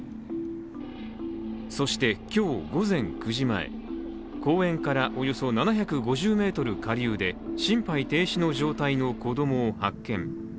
そして今日、午前９時前、公園からおよそ７５０ｍ下流で心肺停止の状態の子どもを発見。